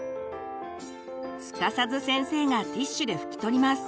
すかさず先生がティシュで拭き取ります。